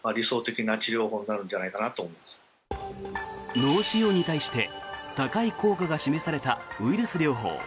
脳腫瘍に対して高い効果が示されたウイルス療法。